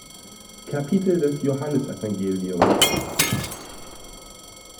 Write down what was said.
Kapitel des Johannesevangeliums.